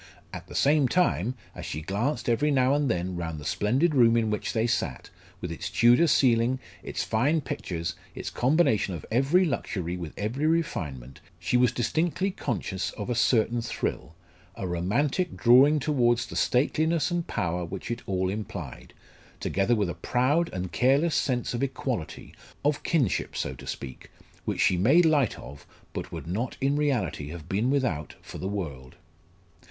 At the same time, as she glanced every now and then round the splendid room in which they sat, with its Tudor ceiling, its fine pictures, its combination of every luxury with every refinement, she was distinctly conscious of a certain thrill, a romantic drawing towards the stateliness and power which it all implied, together with a proud and careless sense of equality, of kinship so to speak, which she made light of, but would not in reality have been without for the world.